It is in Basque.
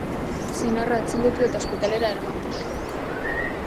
Senarra atxilotu eta ospitalera eraman dute.